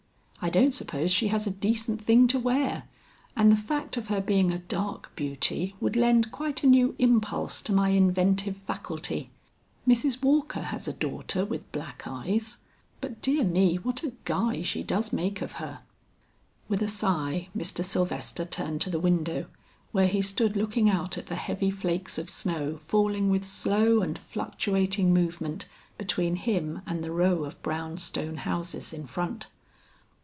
I don't suppose she has a decent thing to wear, and the fact of her being a dark beauty would lend quite a new impulse to my inventive faculty. Mrs. Walker has a daughter with black eyes, but dear me, what a guy she does make of her!" With a sigh Mr. Sylvester turned to the window where he stood looking out at the heavy flakes of snow falling with slow and fluctuating movement between him and the row of brown stone houses in front.